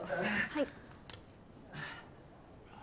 はい。